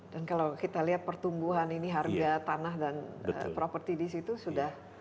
dan kalau kita lihat pertumbuhan ini harga tanah dan properti di situ sudah